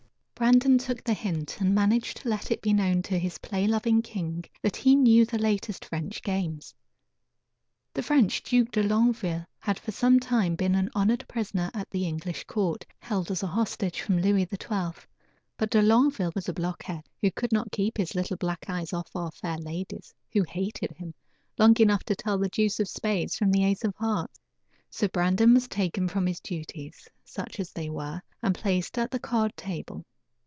Brandon took the hint and managed to let it be known to his play loving king that he knew the latest French games. The French Duc de Longueville had for some time been an honored prisoner at the English court, held as a hostage from Louis XII, but de Longueville was a blockhead, who could not keep his little black eyes off our fair ladies, who hated him, long enough to tell the deuce of spades from the ace of hearts. So Brandon was taken from his duties, such as they were, and placed at the card table.